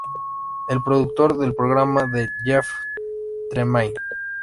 El productor del programa es Jeff Tremaine.